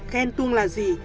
ghen tuông là gì